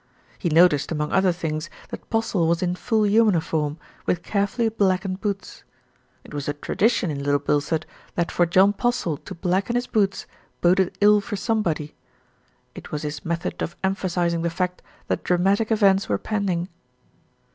He noticed, among other things, that Postle was in full uniform, with carefully blackened boots. It was a tradition in Little Bilstead that for John Postle to blacken his boots boded ill for somebody. It was his method of emphasising the fact that dramatic events were pending.